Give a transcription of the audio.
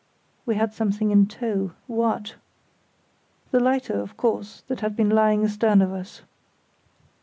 We had something in tow—what? The lighter, of course, that had been lying astern of us.